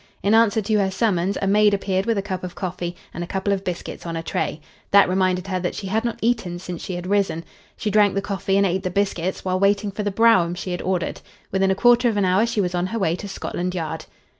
In answer to her summons a maid appeared with a cup of coffee and a couple of biscuits on a tray. That reminded her that she had not eaten since she had risen. She drank the coffee and ate the biscuits, while waiting for the brougham she had ordered. Within a quarter of an hour she was on her way to Scotland Yard.